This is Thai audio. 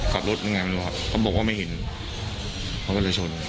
กลับรถยังไงดูครับเขาบอกว่าไม่เห็นเค้าก็เลยชน